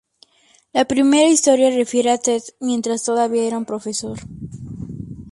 La primera historia refiere a Ted mientras todavía era un profesor.